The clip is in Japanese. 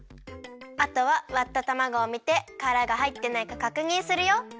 あとはわったたまごをみてからがはいってないかかくにんするよ。